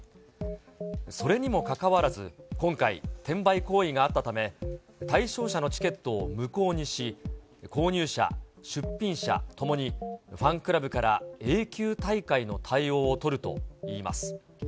それにもかかわらず、今回、転売行為があったため、対象者のチケットを無効にし、購入者、出品者ともに、ファンクラブから永久退会の対応を取るといいます。